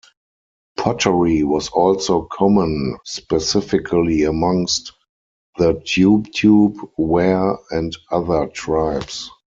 Pottery was also common, specifically amongst the Tubetube, Ware and other tribes.